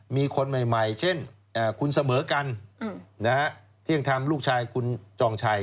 มีคนใหม่เช่นคุณเสมอกันเที่ยงทำลูกชายคุณจองชัย